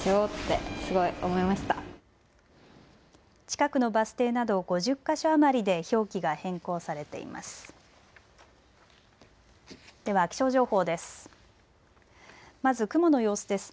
近くのバス停など５０か所余りで表記が変更されています。